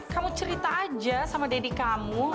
kamu cerita aja sama deddy kamu